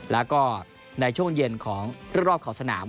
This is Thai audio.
แล้วก็ในช่วงเย็นของเรื่องรอบเขาสนาม